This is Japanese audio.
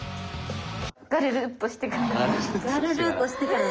ガルルッとしてから。